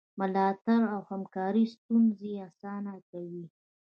ملاتړ او همکاري ستونزې اسانه کوي.